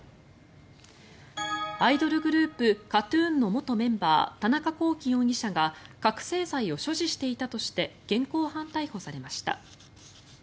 アイドルグループＫＡＴ−ＴＵＮの元メンバー田中聖容疑者が覚醒剤を所持していたとして現行犯逮捕されました。